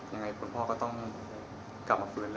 ยังไงคุณพ่อก็ต้องกลับมาฟื้นเลย